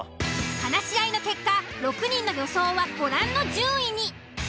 話し合いの結果６人の予想はご覧の順位に。